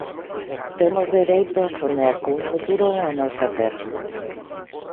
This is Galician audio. Temos dereito a soñar cun futuro na nosa terra.